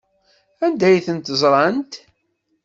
Anda ay ten-ẓrant?